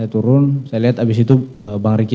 turun saya lihat abis itu bang riki